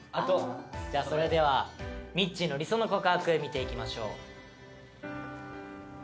じゃあそれではみっちーの理想の告白見ていきましょう。